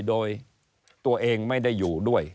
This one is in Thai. โดยตัวเองไม่ได้อยู่ด้วย